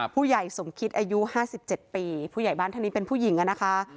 ผู้ใหญ่สมคิดอายุห้าสิบเจ็ดปีผู้ใหญ่บ้านทางนี้เป็นผู้หญิงอะนะคะ